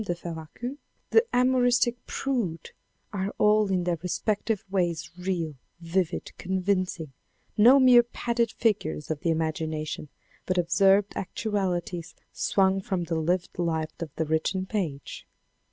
de Fervaqus, the amoristic prude, are all in their respective ways real, vivid, convincing, no mere padded figures of the im agination, but observed actualities swung from the lived life en the written page.